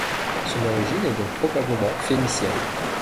Son origine est donc probablement phénicienne.